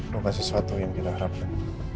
bukan sesuatu yang kita harapkan